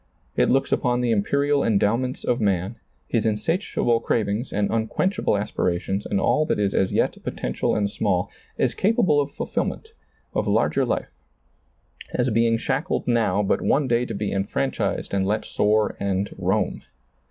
It looks upon the imperial endow ments of man, his insatiable cravings and un quenchable aspirations and all that is as yet potential and small, as capable of fulfillment, of lai^er life, as being shackled now, but one day to be enfranchised and let soar and roam.